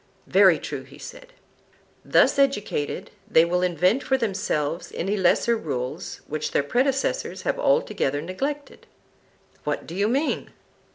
Very true, he said. Thus educated, they will invent for themselves any lesser rules which their predecessors have altogether neglected. What do you mean?